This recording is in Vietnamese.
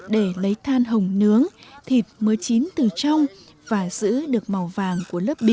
để lấy than hồng nướng thịt mới chín từ trong và giữ được màu vàng của lớp bì